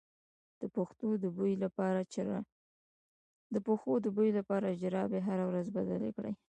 د پښو د بوی لپاره جرابې هره ورځ بدلې کړئ